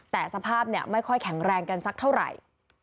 แต่สภาพไม่ค่อยแข็งแรงกันสักเท่าไหร่